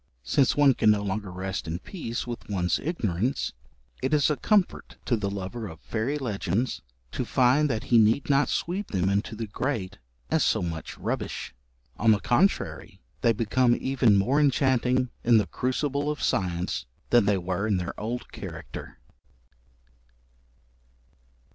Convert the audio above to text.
Since one can no longer rest in peace with one's ignorance, it is a comfort to the lover of fairy legends to find that he need not sweep them into the grate as so much rubbish; on the contrary they become even more enchanting in the crucible of science than they were in their old character.